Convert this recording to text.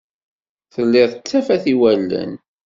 Telliḍ d tafat i wallen.